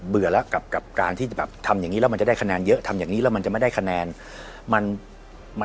เบื่อแล้วกับการที่แบบทำอย่างนี้แล้วมันจะได้คะแนนเยอะ